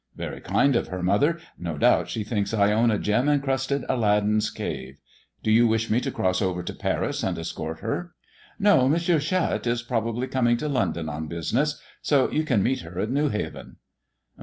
" Very kind of her, mother. No doubt she thinks I own a gem encrusted Aladdin's cave. Do you wish me to cross over to Paris and escort her?" " No ; M. Charette is probably coming to London on business; so you can meet her at New haven."